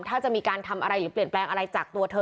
ถ้าจะมีการทำอะไรหรือเปลี่ยนแปลงอะไรจากตัวเธอ